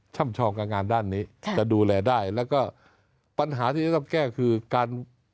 ่ำชองกับงานด้านนี้จะดูแลได้แล้วก็ปัญหาที่จะต้องแก้คือการ